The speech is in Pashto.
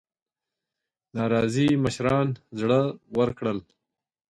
ناراضي مشران زړه ورکړل.